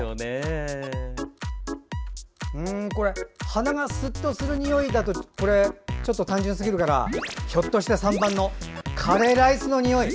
鼻がスッとするにおいだとちょっと単純すぎるからひょっとして３番のカレーライスのにおい。